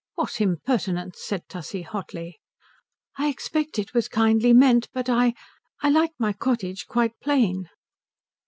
"What impertinence," said Tussie hotly. "I expect it was kindly meant, but I I like my cottage quite plain."